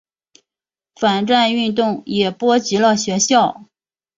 反战运动也波及了学校。